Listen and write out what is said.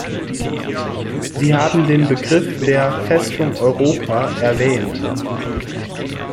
Sie haben den Begriff der "Festung Europa" erwähnt.